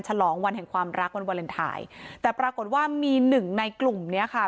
ฉลองวันแห่งความรักวันวาเลนไทยแต่ปรากฏว่ามีหนึ่งในกลุ่มเนี้ยค่ะ